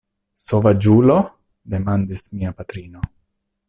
Sovaĝulo!? demandis mia patrino.